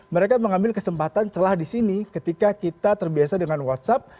mereka mengambil kesempatan celah di sini ketika kita terbiasa dengan whatsapp